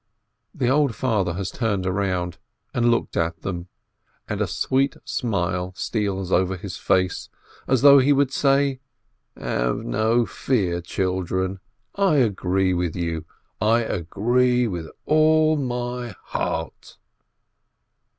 The old father has turned round and looked at them, and a sweet smile steals over his face, as though he would say, "Have no fear, children, I agree with you, I agree with all my heart."